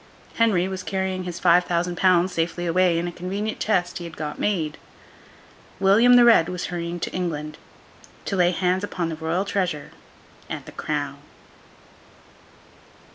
Henry was carrying his five thousand pounds safely away in a convenient chest he had got made. William the Red was hurrying to England, to lay hands upon the Royal treasure and the crown.